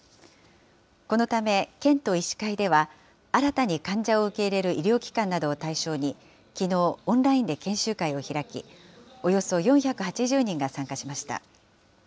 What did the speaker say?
このため県と医師会では、新たに患者を受け入れる医療機関などを対象にきのう、オンラインで研修会を開き、およそ４８０人が参加しました。